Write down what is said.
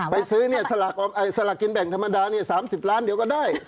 ไปซื้อเนี่ยสลักกินแบ่งธรรมดาเนี่ย๓๐ล้านเดี๋ยวก็ได้